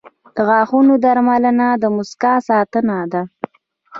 • د غاښونو درملنه د مسکا ساتنه ده.